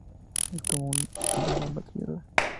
Es como una ametralladora.